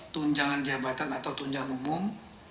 tunjangan jabatan atau tunjangan umum